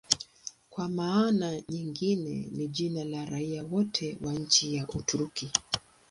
Kwa maana nyingine ni jina la raia wote wa nchi ya Uturuki.